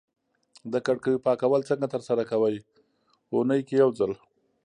د کړکیو پاکول څنګه ترسره کوی؟ اونۍ کی یوځل